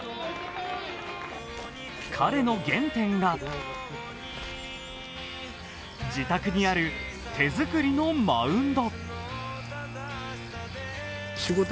彼の原点が、自宅にある手作りのマウンド。